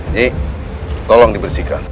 nyi tolong dibersihkan